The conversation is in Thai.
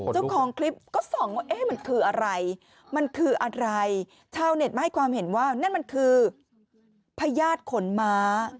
เจ้าของคลิปก็ส่องว่ามันคืออะไรชาวเน็ตให้ความเห็นว่านั่นมันคือพยาธิขนม้า